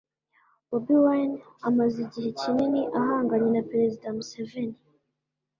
Bobi Wine amaze igihe kinini ahanganye na Perezida Museveni